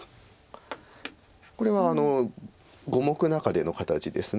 これは五目中手の形です。